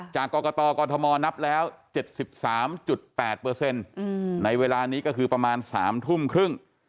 จากกรกตกรทมนับแล้ว๗๓๘ในเวลานี้ก็คือประมาณ๓ทุ่มครึ่ง